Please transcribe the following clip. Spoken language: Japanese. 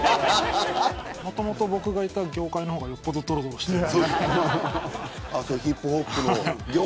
もともと僕がいた業界の方がよっぽど、どろどろしている。